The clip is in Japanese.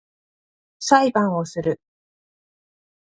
裁判をする